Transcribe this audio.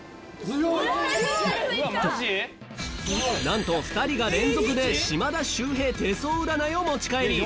なんと２人が連続で『島田秀平手相占い』を持ち帰り６